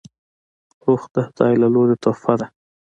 روح د خداي له لورې تحفه ده